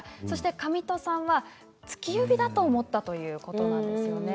上戸さんは突き指だと思ったということなんです。